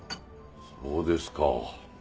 そうですか。